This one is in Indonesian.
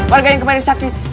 warga yang kemarin sakit